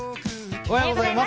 おはようございます。